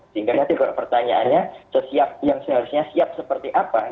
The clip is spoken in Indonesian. sehingga nanti kalau pertanyaannya yang seharusnya siap seperti apa